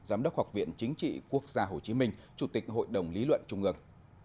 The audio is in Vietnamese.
giám đốc học viện chính trị quốc gia hồ chí minh chủ tịch hội đồng lý luận trung ương